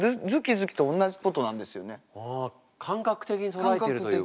感覚的に捉えてるというか。